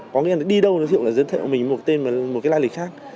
có nghĩa là đi đâu đối tượng lại giới thiệu mình một tên một cái lai lịch khác